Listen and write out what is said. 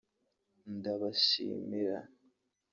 ndabashimira